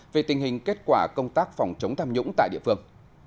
về tình hình kết quả công tác phòng chống tham nhũng tại địa phương